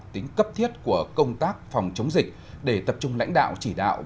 tính cấp thiết của công tác phòng chống dịch để tập trung lãnh đạo chỉ đạo